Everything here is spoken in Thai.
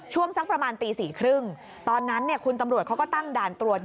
สักประมาณตี๔๓๐ตอนนั้นเนี่ยคุณตำรวจเขาก็ตั้งด่านตรวจ